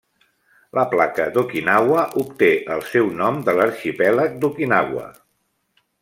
La placa d'Okinawa obté el seu nom de l'arxipèlag d'Okinawa.